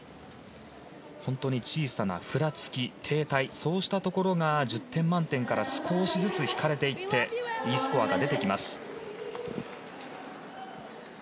本当に小さなふらつき、停滞そうしたところが１０点満点から少しずつ引かれていってＥスコアが出てきます。